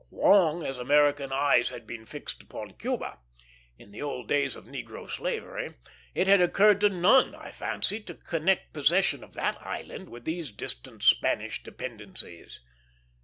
Long as American eyes had been fixed upon Cuba, in the old days of negro slavery, it had occurred to none, I fancy, to connect possession of that island with these distant Spanish dependencies.